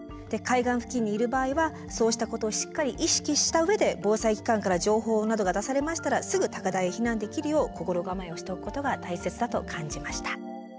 海岸付近にいる場合はそうしたことをしっかり意識した上で防災機関から情報などが出されましたらすぐ高台に避難できるよう心構えをしておくことが大切だと感じました。